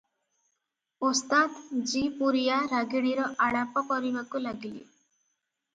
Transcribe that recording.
ଓସ୍ତାଦ୍ ଜୀ ପୁରିଆ ରାଗିଣୀର ଆଳାପ କରିବାକୁ ଲାଗିଲେ ।